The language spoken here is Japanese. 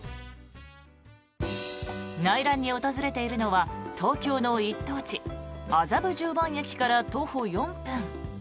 内覧に訪れているのは東京の一等地麻布十番駅から徒歩４分。